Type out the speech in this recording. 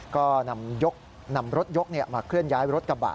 ก็นำรถยกมาเคลื่อนย้ายรถกระบะ